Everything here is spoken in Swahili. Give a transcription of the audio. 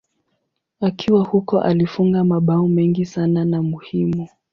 Akiwa huko alifunga mabao mengi sana na muhimu.